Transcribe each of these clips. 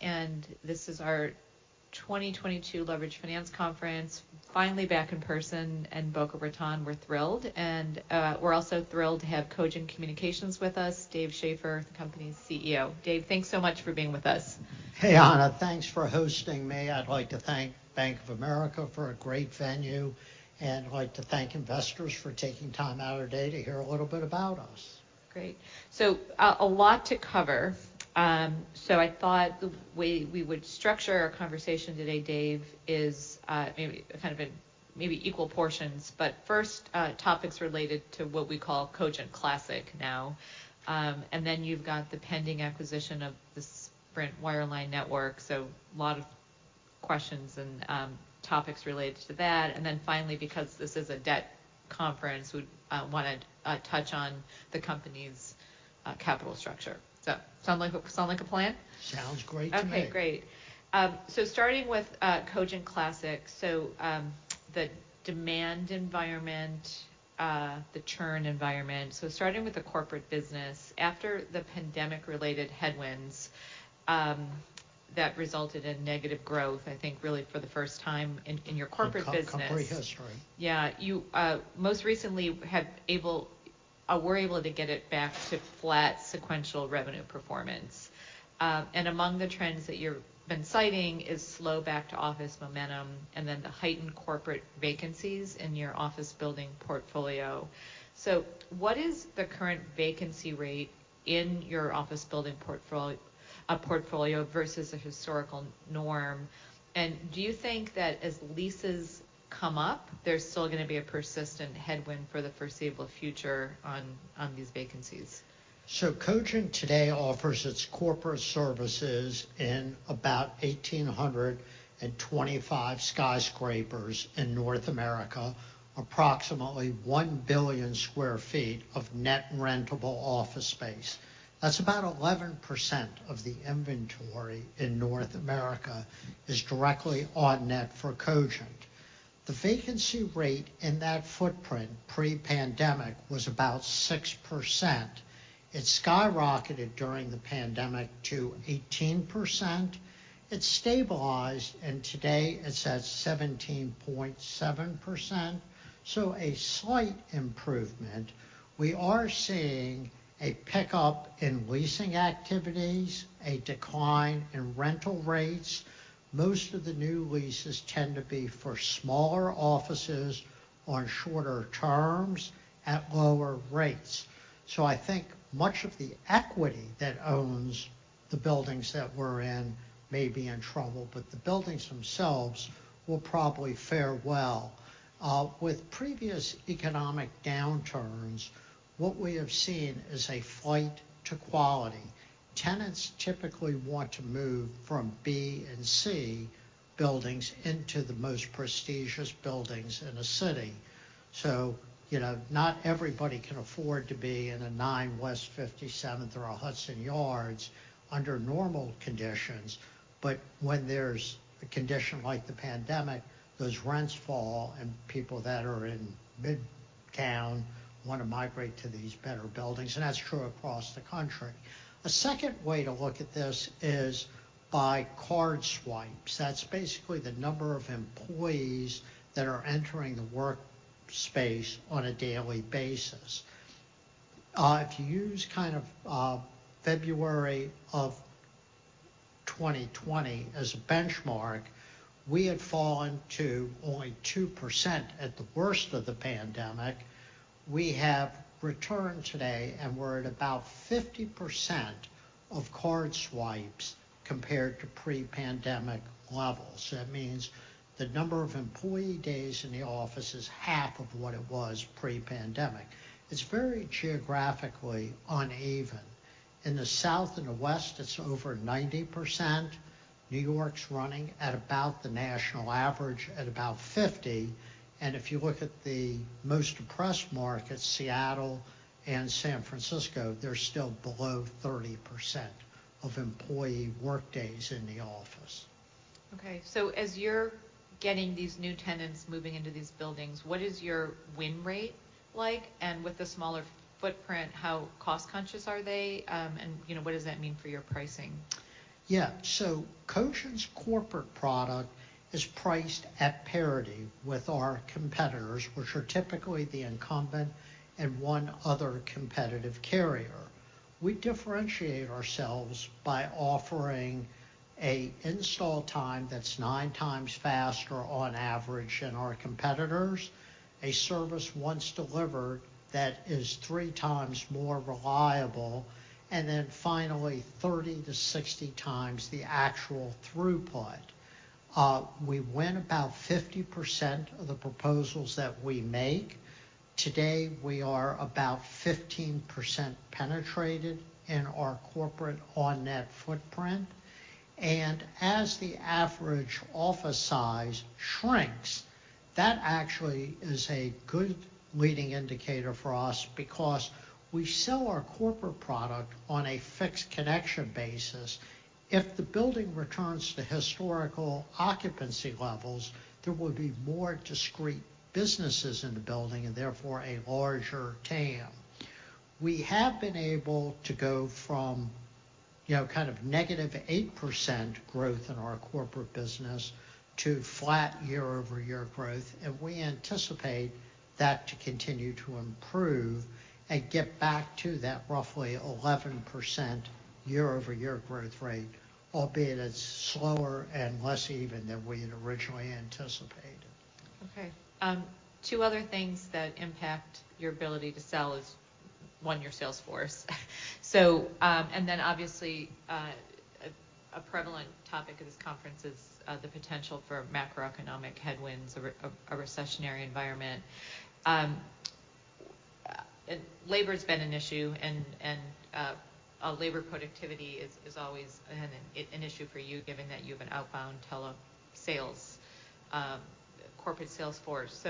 Bank of America. This is our 2022 Leveraged Finance Conference. Finally back in person in Boca Raton. We're thrilled. We're also thrilled to have Cogent Communications with us. Dave Schaeffer, the company's CEO. Dave, thanks so much for being with us. Hey, Ana. Thanks for hosting me. I'd like to thank Bank of America for a great venue. I'd like to thank investors for taking time out of their day to hear a little bit about us. Great. A lot to cover. I thought the way we would structure our conversation today, Dave, is maybe kind of in maybe equal portions. First, topics related to what we call Cogent Classic now. Then you've got the pending acquisition of the Sprint wireline network, so a lot of questions and topics related to that. Then finally, because this is a debt conference, we wanna touch on the company's capital structure. Does that sound like a plan? Sounds great to me. Okay, great. Starting with Cogent Classic. The demand environment, the churn environment. Starting with the corporate business. After the pandemic-related headwinds, that resulted in negative growth, I think really for the first time in your corporate business. Corporate history. Yeah. You were able to get it back to flat sequential revenue performance. Among the trends that you're been citing is slow back to office momentum and then the heightened corporate vacancies in your office building portfolio. What is the current vacancy rate in your office building portfolio versus a historical norm? Do you think that as leases come up, there's still gonna be a persistent headwind for the foreseeable future on these vacancies? Cogent today offers its corporate services in about 1,825 skyscrapers in North America, approximately 1 billion sq ft of net rentable office space. That's about 11% of the inventory in North America is directly on net for Cogent. The vacancy rate in that footprint pre-pandemic was about 6%. It skyrocketed during the pandemic to 18%. It stabilized, and today it's at 17.7%, so a slight improvement. We are seeing a pickup in leasing activities, a decline in rental rates. Most of the new leases tend to be for smaller offices on shorter terms at lower rates. I think much of the equity that owns the buildings that we're in may be in trouble, but the buildings themselves will probably fare well. With previous economic downturns, what we have seen is a flight to quality. Tenants typically want to move from B and C buildings into the most prestigious buildings in a city. You know, not everybody can afford to be in a 9 West 57th Street or a Hudson Yards under normal conditions. When there's a condition like the pandemic, those rents fall and people that are in midtown wanna migrate to these better buildings, and that's true across the country. A second way to look at this is by card swipes. That's basically the number of employees that are entering the work space on a daily basis. If you use kind of February of 2020 as a benchmark, we had fallen to only 2% at the worst of the pandemic. We have returned today, and we're at about 50% of card swipes compared to pre-pandemic levels. That means the number of employee days in the office is half of what it was pre-pandemic. It's very geographically uneven. In the South and the West, it's over 90%. New York's running at about the national average, at about 50%. If you look at the most depressed markets, Seattle and San Francisco, they're still below 30% of employee workdays in the office. Okay. As you're getting these new tenants moving into these buildings, what is your win rate like? With the smaller footprint, how cost-conscious are they? You know, what does that mean for your pricing? Yeah. Cogent's corporate product is priced at parity with our competitors, which are typically the incumbent and one other competitive carrier. We differentiate ourselves by offering a install time that's nine times faster on average than our competitors, a service once delivered that is three times more reliable, and then finally, 30-60 times the actual throughput. We win about 50% of the proposals that we make. Today, we are about 15% penetrated in our corporate on net footprint. As the average office size shrinks, that actually is a good leading indicator for us because we sell our corporate product on a fixed connection basis. If the building returns to historical occupancy levels, there will be more discrete businesses in the building and therefore a larger TAM. We have been able to go from, you know, kind of -8% growth in our corporate business to flat year-over-year growth. We anticipate that to continue to improve and get back to that roughly 11% year-over-year growth rate, albeit it's slower and less even than we had originally anticipated. Okay. Two other things that impact your ability to sell is, one, your sales force. And then obviously, a prevalent topic of this conference is the potential for macroeconomic headwinds or a recessionary environment. Labor's been an issue and labor productivity is always an issue for you, given that you have an outbound telesales, corporate sales force.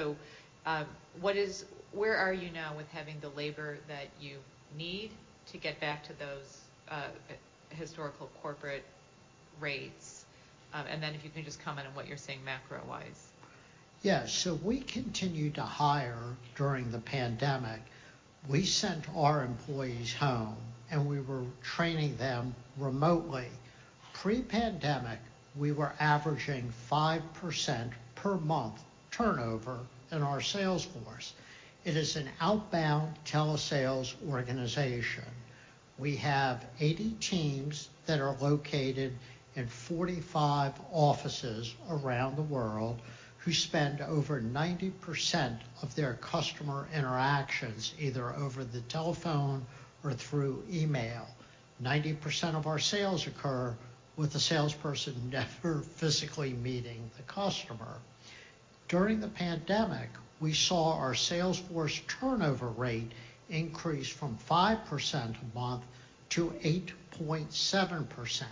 Where are you now with having the labor that you need to get back to those historical corporate rates? If you can just comment on what you're seeing macro-wise. Yeah. We continued to hire during the pandemic. We sent our employees home, and we were training them remotely. Pre-pandemic, we were averaging 5% per month turnover in our sales force. It is an outbound telesales organization. We have 80 teams that are located in 45 offices around the world who spend over 90% of their customer interactions either over the telephone or through email. 90% of our sales occur with the salesperson never physically meeting the customer. During the pandemic, we saw our sales force turnover rate increase from 5% a month to 8.7%.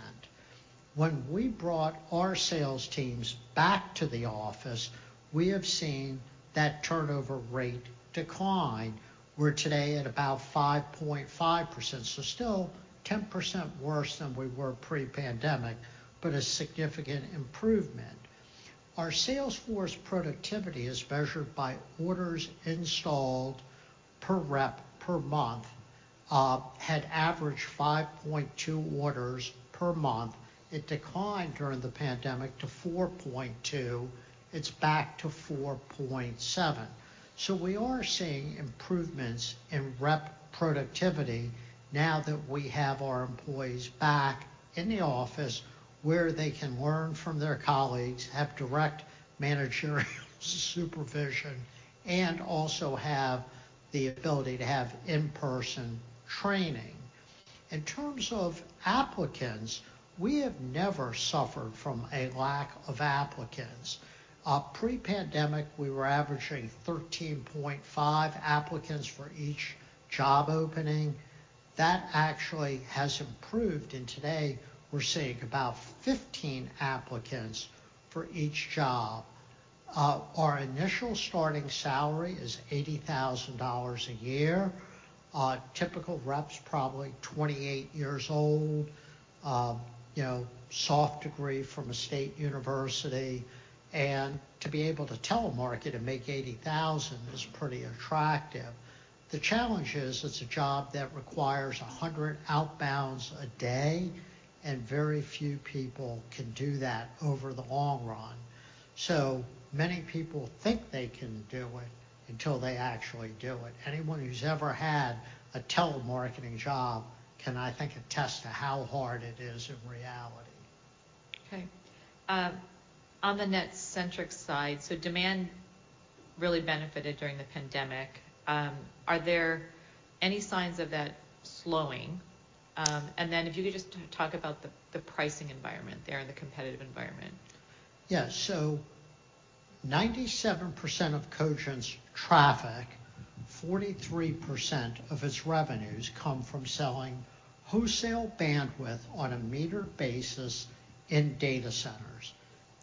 When we brought our sales teams back to the office, we have seen that turnover rate decline. We're today at about 5.5%, still 10% worse than we were pre-pandemic, but a significant improvement. Our sales force productivity is measured by orders installed per rep per month. Had averaged 5.2 orders per month. It declined during the pandemic to 4.2. It's back to 4.7. We are seeing improvements in rep productivity now that we have our employees back in the office where they can learn from their colleagues, have direct managerial supervision, and also have the ability to have in-person training. In terms of applicants, we have never suffered from a lack of applicants. Pre-pandemic, we were averaging 13.5 applicants for each job opening. That actually has improved, and today we're seeing about 15 applicants for each job. Our initial starting salary is $80,000 a year. A typical rep's probably 28 years old, you know, soft degree from a state university. To be able to telemarket and make $80,000 is pretty attractive. The challenge is it's a job that requires 100 outbounds a day, and very few people can do that over the long run. Many people think they can do it until they actually do it. Anyone who's ever had a telemarketing job can, I think, attest to how hard it is in reality. Okay. On the NetCentric side, demand really benefited during the pandemic. Are there any signs of that slowing? If you could just talk about the pricing environment there and the competitive environment. Yeah. 97% of Cogent's traffic, 43% of its revenues come from selling wholesale bandwidth on a meter basis in data centers.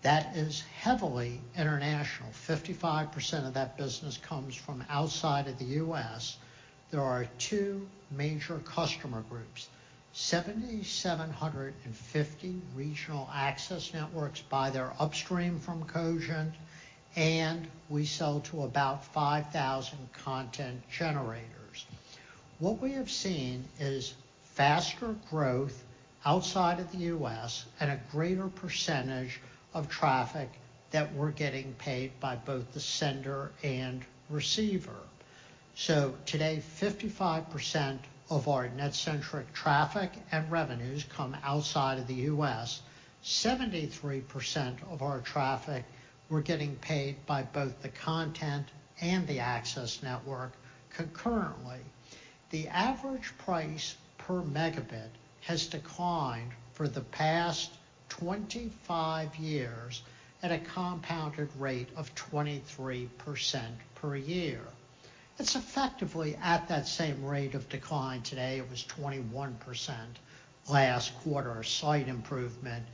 That is heavily international. 55% of that business comes from outside of the U.S. There are two major customer groups. 7,750 regional access networks buy their upstream from Cogent, and we sell to about 5,000 content generators. What we have seen is faster growth outside of the U.S. and a greater percentage of traffic that we're getting paid by both the sender and receiver. Today, 55% of our NetCentric traffic and revenues come outside of the U.S. 73% of our traffic, we're getting paid by both the content and the access network concurrently. The average price per megabit has declined for the past 25 years at a compounded rate of 23% per year. It's effectively at that same rate of decline today. It was 21% last quarter, a slight improvement.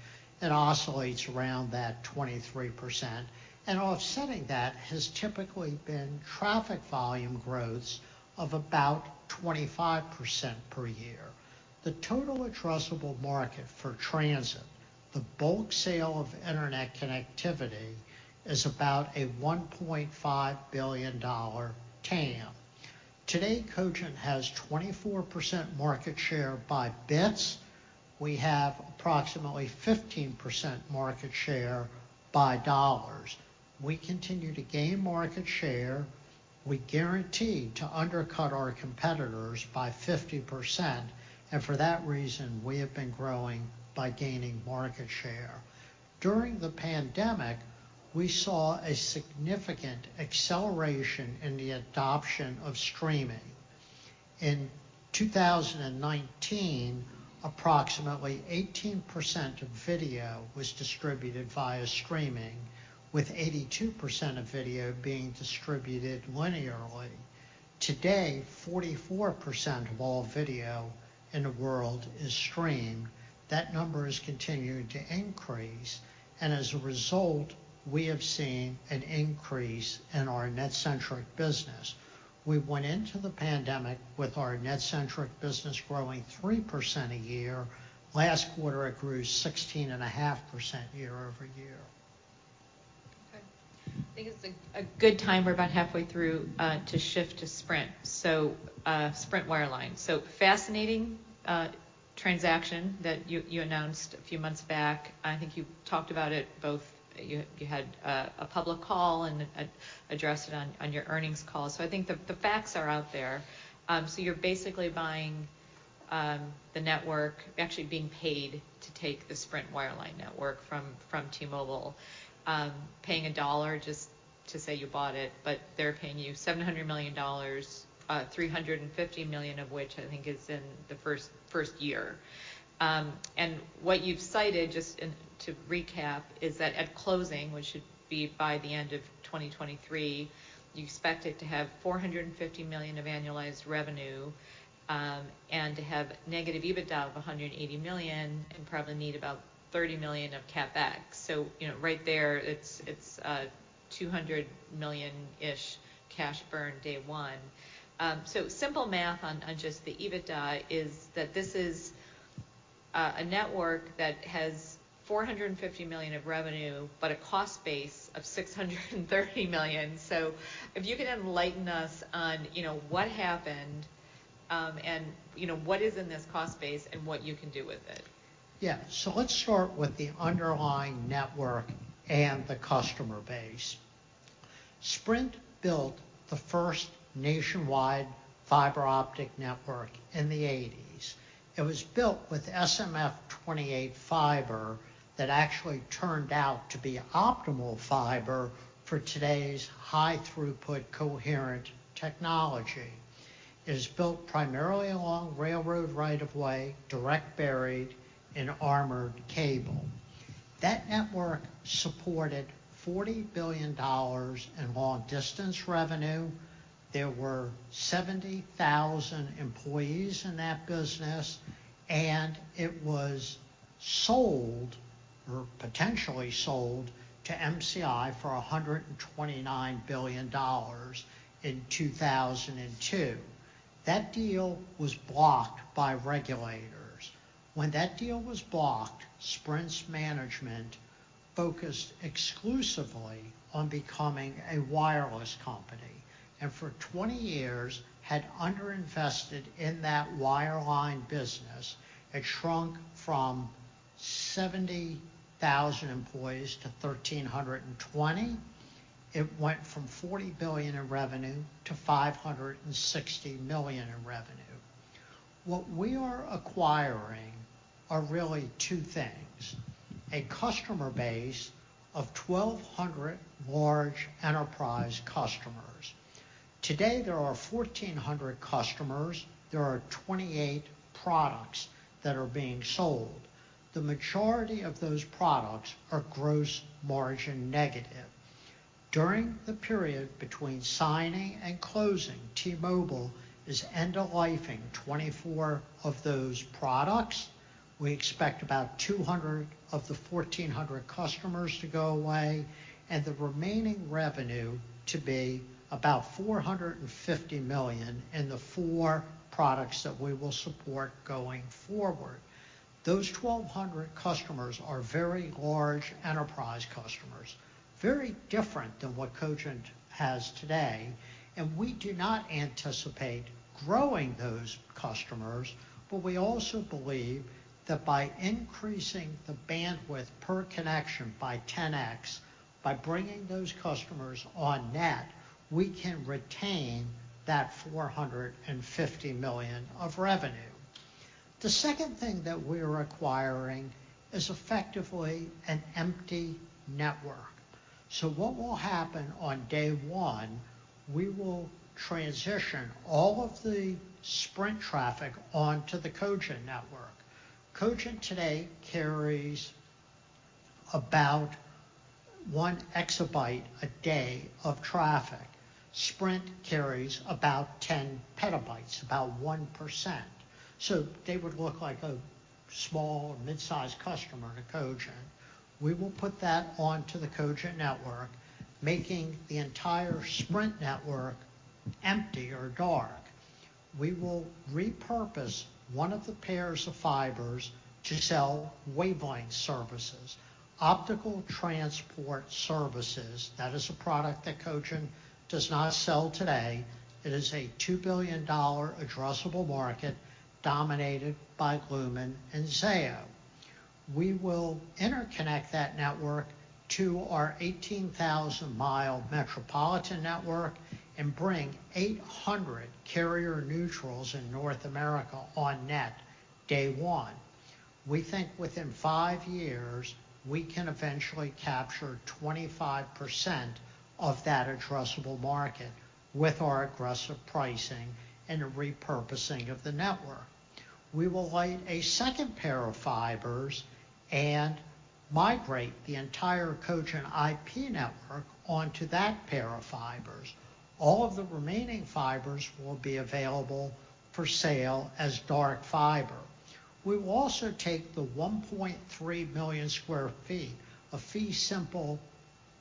It oscillates around that 23%. Offsetting that has typically been traffic volume growth of about 25% per year. The total addressable market for transitThe bulk sale of internet connectivity is about a $1.5 billion TAM. Today, Cogent has 24% market share by bits. We have approximately 15% market share by dollars. We continue to gain market share. We guarantee to undercut our competitors by 50%, and for that reason, we have been growing by gaining market share. During the pandemic, we saw a significant acceleration in the adoption of streaming. In 2019, approximately 18% of video was distributed via streaming, with 82% of video being distributed linearly. Today, 44% of all video in the world is streamed. That number has continued to increase, and as a result, we have seen an increase in our NetCentric business. We went into the pandemic with our NetCentric business growing 3% a year. Last quarter, it grew 16.5% year-over-year. Okay. I think it's a good time, we're about halfway through, to shift to Sprint. Sprint wireline. Fascinating transaction that you announced a few months back. I think you talked about it. You had a public call and addressed it on your earnings call. I think the facts are out there. You're basically buying actually being paid to take the Sprint wireline network from T-Mobile. Paying $1 just to say you bought it, they're paying you $700 million, $350 million of which I think is in the first year. What you've cited, just in to recap, is that at closing, which should be by the end of 2023, you expect it to have $450 million of annualized revenue, and to have negative EBITDA of $180 million and probably need about $30 million of CapEx. You know, right there, it's $200 million-ish cash burn day one. Simple math on just the EBITDA is that this is a network that has $450 million of revenue, but a cost base of $630 million. If you could enlighten us on, you know, what happened, and you know, what is in this cost base and what you can do with it. Let's start with the underlying network and the customer base. Sprint built the first nationwide fiber optic network in the 1980s. It was built with SMF-28 fiber that actually turned out to be optimal fiber for today's high throughput coherent technology. It was built primarily along railroad right of way, direct buried in armored cable. That network supported $40 billion in long distance revenue. There were 70,000 employees in that business. It was sold, or potentially sold, to MCI for $129 billion in 2002. That deal was blocked by regulators. That deal was blocked, Sprint's management focused exclusively on becoming a wireless company, and for 20 years had underinvested in that wireline business. It shrunk from 70,000 employees to 1,320. It went from $40 billion in revenue to $560 million in revenue. What we are acquiring are really two things, a customer base of 1,200 large enterprise customers. Today, there are 1,400 customers. There are 28 products that are being sold. The majority of those products are gross margin negative. During the period between signing and closing, T-Mobile is end of lifing 24 of those products. We expect about 200 of the 1,400 customers to go away, and the remaining revenue to be about $450 million in the four products that we will support going forward. Those 1,200 customers are very large enterprise customers, very different than what Cogent has today, and we do not anticipate growing those customers. We also believe that by increasing the bandwidth per connection by 10x, by bringing those customers on net, we can retain that $450 million of revenue. The second thing that we're acquiring is effectively an empty network. What will happen on day one, we will transition all of the Sprint traffic onto the Cogent network. Cogent today carries about 1 exabyte a day of traffic. Sprint carries about 10 petabytes, about 1%. They would look like a small or mid-sized customer to Cogent. We will put that onto the Cogent network, making the entire Sprint network empty or dark. We will repurpose one of the pairs of fibers to sell wavelength services, optical transport services. That is a product that Cogent does not sell today. It is a $2 billion addressable market dominated by Lumen and Zayo. We will interconnect that network to our 18,000-mile metropolitan network and bring 800 carrier-neutrals in North America on net day one. We think within 5 years, we can eventually capture 25% of that addressable market with our aggressive pricing and the repurposing of the network. We will light a second pair of fibers and migrate the entire Cogent IP network onto that pair of fibers. All of the remaining fibers will be available for sale as dark fiber. We will also take the 1.3 million sq ft of fee simple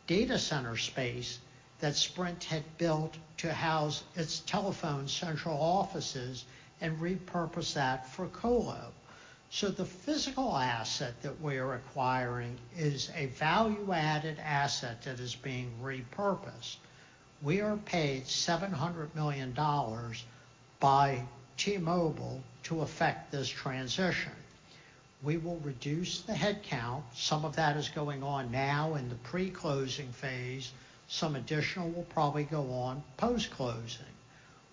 data center space that Sprint had built to house its telephone central offices and repurpose that for colo. The physical asset that we're acquiring is a value-added asset that is being repurposed. We are paid $700 million by T-Mobile to effect this transition. We will reduce the headcount. Some of that is going on now in the pre-closing phase. Some additional will probably go on post-closing.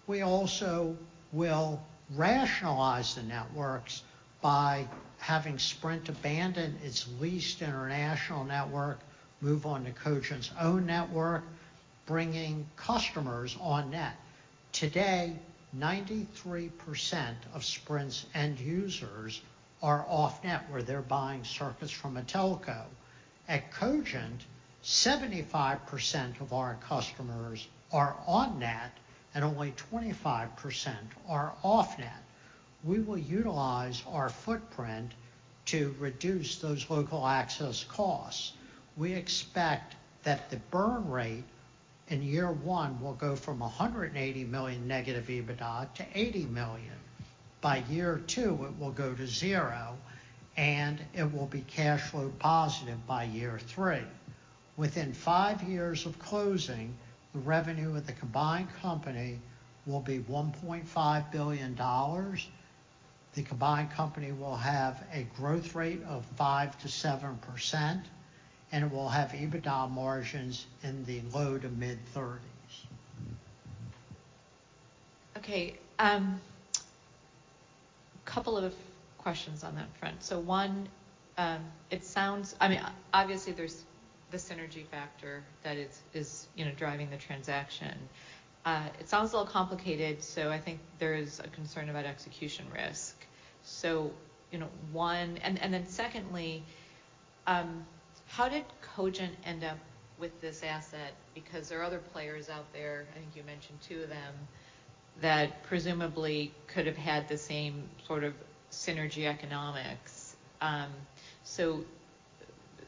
We also will rationalize the networks by having Sprint abandon its leased international network, move on to Cogent's own network, bringing customers on net. Today, 93% of Sprint's end users are off-net, where they're buying circuits from a telco. At Cogent, 75% of our customers are on-net, and only 25% are off-net. We will utilize our footprint to reduce those local access costs. We expect that the burn rate in year 1 will go from $180 million negative EBITDA to $80 million. By year two, it will go to zero, and it will be cash flow positive by year three. Within five years of closing, the revenue of the combined company will be $1.5 billion. The combined company will have a growth rate of 5%-7%, and it will have EBITDA margins in the low to mid-30s%. Okay. A couple of questions on that front. One, I mean, obviously there's the synergy factor that is, you know, driving the transaction. It sounds a little complicated, so I think there is a concern about execution risk. Then secondly, how did Cogent end up with this asset? There are other players out there, I think you mentioned two of them, that presumably could have had the same sort of synergy economics.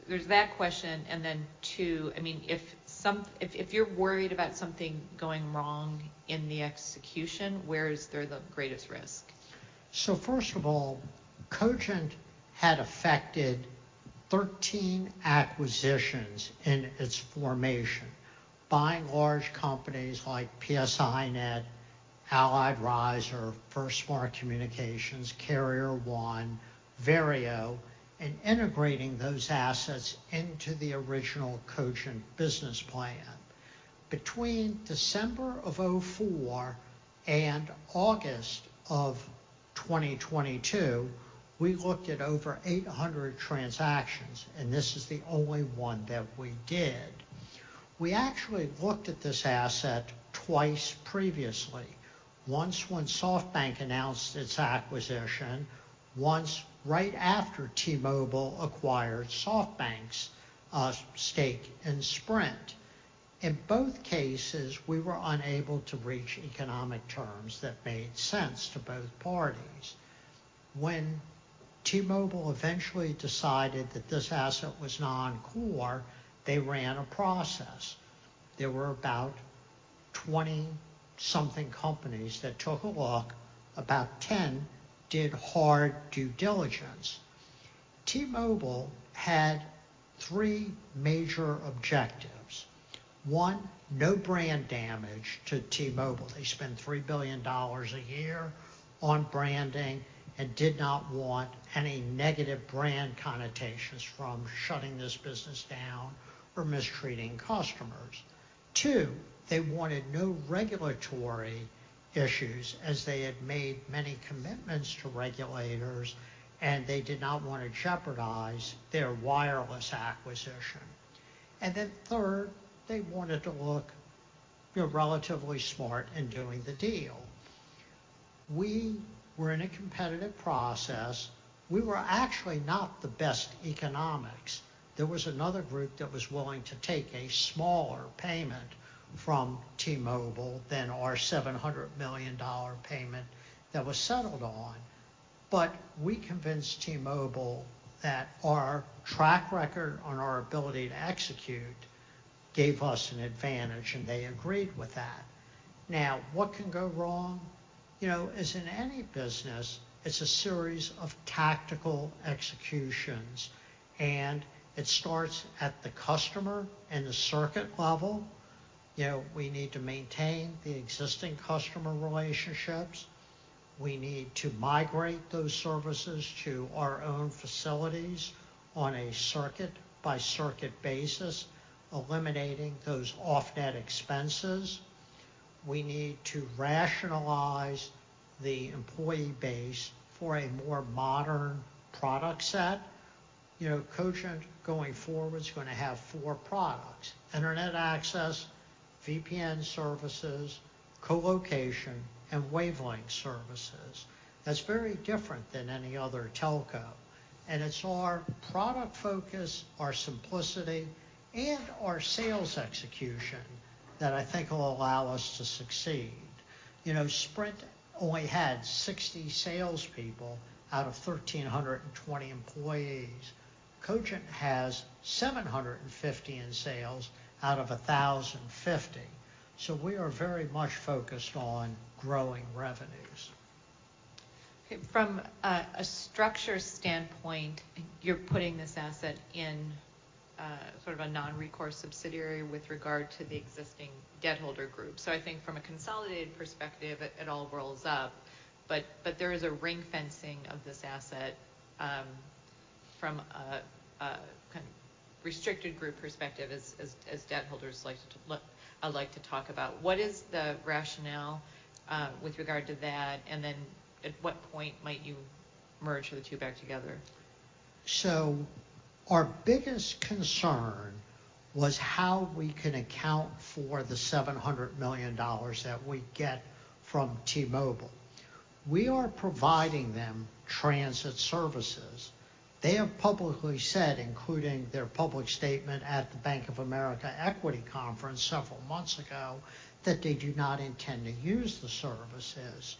There's that question, and then two, I mean, if you're worried about something going wrong in the execution, where is there the greatest risk? First of all, Cogent had affected 13 acquisitions in its formation, buying large companies like PSINet, Allied Riser, FirstMark Communications, Carrier1, Verio, and integrating those assets into the original Cogent business plan. Between December of 2004 and August of 2022, we looked at over 800 transactions, and this is the only one that we did. We actually looked at this asset twice previously, once when SoftBank announced its acquisition, once right after T-Mobile acquired SoftBank's stake in Sprint. In both cases, we were unable to reach economic terms that made sense to both parties. When T-Mobile eventually decided that this asset was non-core, they ran a process. There were about 20-something companies that took a look. About 10 did hard due diligence. T-Mobile had three major objectives. One, no brand damage to T-Mobile. They spend $3 billion a year on branding and did not want any negative brand connotations from shutting this business down or mistreating customers. Two, they wanted no regulatory issues as they had made many commitments to regulators, and they did not want to jeopardize their wireless acquisition. Then third, they wanted to look, you know, relatively smart in doing the deal. We were in a competitive process. We were actually not the best economics. There was another group that was willing to take a smaller payment from T-Mobile than our $700 million payment that was settled on. We convinced T-Mobile that our track record on our ability to execute gave us an advantage, and they agreed with that. Now, what can go wrong? You know, as in any business, it's a series of tactical executions, and it starts at the customer and the circuit level. You know, we need to maintain the existing customer relationships. We need to migrate those services to our own facilities on a circuit by circuit basis, eliminating those off-net expenses. We need to rationalize the employee base for a more modern product set. You know, Cogent going forward is gonna have four products: Internet access, VPN services, colocation, and wavelength services. That's very different than any other telco, and it's our product focus, our simplicity, and our sales execution that I think will allow us to succeed. You know, Sprint only had 60 salespeople out of 1,320 employees. Cogent has 750 in sales out of 1,050. We are very much focused on growing revenues. Okay. From a structure standpoint, you're putting this asset in sort of a non-recourse subsidiary with regard to the existing debt holder group. I think from a consolidated perspective, it all rolls up, but there is a ring fencing of this asset from a kind of restricted group perspective as debt holders like to talk about. What is the rationale with regard to that? At what point might you merge the two back together? Our biggest concern was how we can account for the $700 million that we get from T-Mobile. We are providing them transit services. They have publicly said, including their public statement at the Bank of America Equity Conference several months ago, that they do not intend to use the services.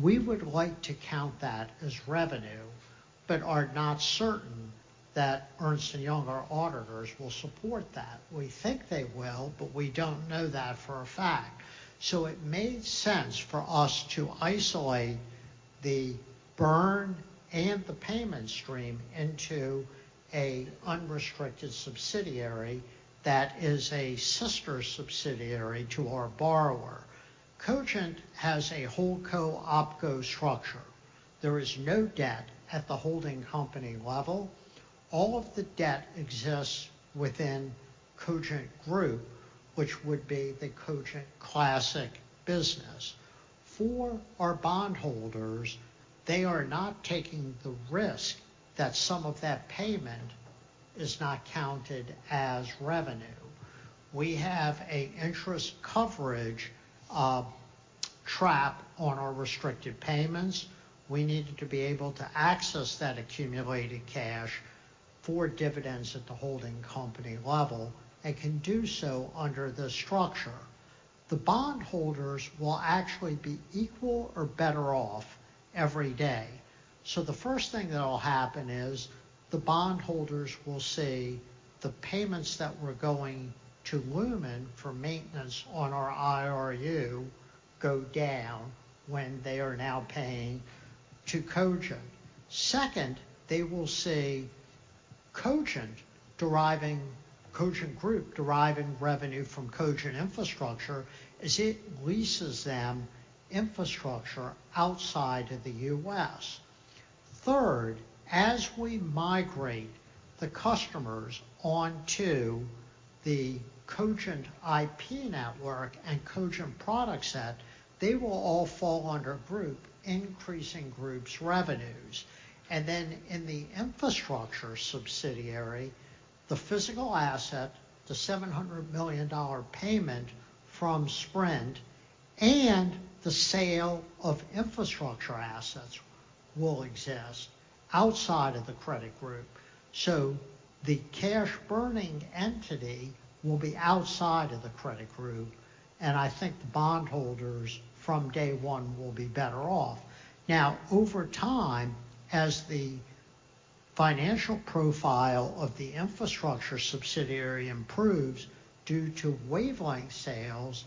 We would like to count that as revenue, but are not certain that Ernst & Young, our auditors, will support that. We think they will, but we don't know that for a fact. It made sense for us to isolate the burn and the payment stream into a unrestricted subsidiary that is a sister subsidiary to our borrower. Cogent has a HoldCo OpCo structure. There is no debt at the holding company level. All of the debt exists within Cogent Group, which would be the Cogent Classic business. For our bondholders, they are not taking the risk that some of that payment is not counted as revenue. We have a interest coverage trap on our restricted payments. We needed to be able to access that accumulated cash for dividends at the holding company level, and can do so under this structure. The bondholders will actually be equal or better off every day. The first thing that'll happen is the bondholders will see the payments that were going to Lumen for maintenance on our IRU go down when they are now paying to Cogent. Second, they will see Cogent Group deriving revenue from Cogent Infrastructure as it leases them infrastructure outside of the U.S. Third, as we migrate the customers onto the Cogent IP network and Cogent product set, they will all fall under Group, increasing Group's revenues. In the Infrastructure Subsidiary, the physical asset, the $700 million payment from Sprint and the sale of infrastructure assets will exist outside of the credit group. The cash burning entity will be outside of the credit group, and I think the bondholders from day one will be better off. Over time, as the financial profile of the Infrastructure Subsidiary improves due to wavelength sales,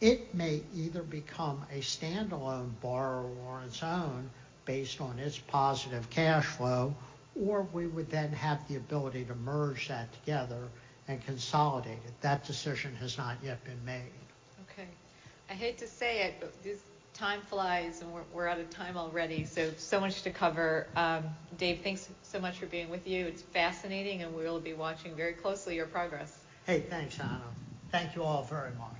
it may either become a standalone borrower on its own based on its positive cash flow, or we would then have the ability to merge that together and consolidate it. That decision has not yet been made. Okay. I hate to say it, this time flies, and we're out of time already. Much to cover. Dave, thanks so much for being with you. It's fascinating, and we'll be watching very closely your progress. Hey, thanks, Ana. Thank you all very much.